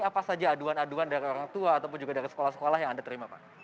apa saja aduan aduan dari orang tua ataupun juga dari sekolah sekolah yang anda terima pak